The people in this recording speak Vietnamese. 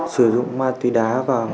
sử dụng ma tùy đá vào